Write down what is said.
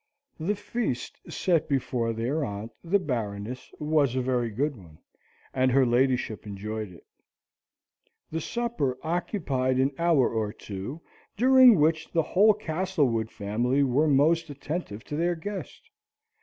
The feast set before their aunt, the Baroness, was a very good one, and her ladyship enjoyed it. The supper occupied an hour or two, during which the whole Castlewood family were most attentive to their guest.